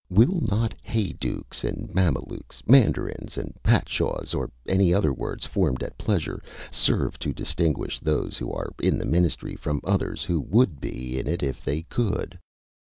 Will not heydukes and mamalukes, mandarins and patshaws, or any other words formed at pleasure, serve to distinguish those who are in the ministry from others who would be in it if they could?